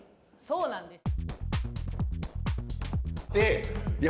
そうなんです。